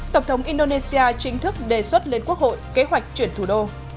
tổng thống indonesia chính thức đề xuất lên quốc hội kế hoạch chuyển thuật